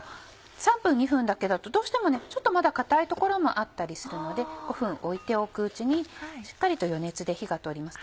３分２分だけだとどうしてもねちょっとまだ硬い所もあったりするので５分置いておくうちにしっかりと余熱で火が通ります。